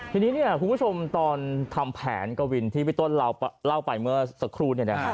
ทีนี้คุณผู้ชมตอนทำแผนกวินที่พี่ต้นเราเล่าไปเมื่อสักครู่